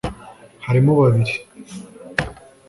harimo babiri